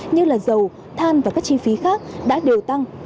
như là dầu than và các chi phí khác đã đều tăng